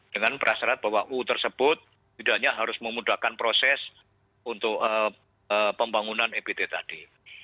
dengan berasrat bahwa ruu tersebut tidaknya harus memudahkan proses untuk pembangunan ebit tadi